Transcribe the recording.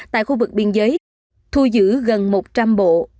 tại khu vực biên giới thu giữ gần một trăm linh bộ